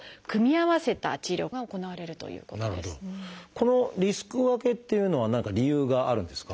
このリスク分けっていうのは何か理由があるんですか？